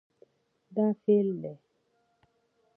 دا فعل دی